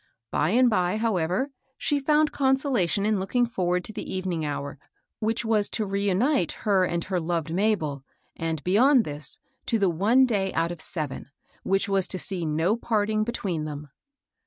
By and by, how ever, she found consolation in looking forward to the evening hour which was to reunite her and her loved Mabel, and, beyond this, to the one day out of seven, which was to see no parting between them.